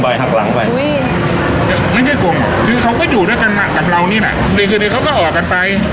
ไม่ใช่กรุงคือเขาก็อยู่ด้วยกันกับเรานี่แหละปีคืนนี้เขาก็ออกกันไป